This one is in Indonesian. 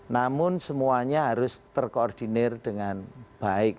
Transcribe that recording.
namun semuanya harus terkoordinir dengan baik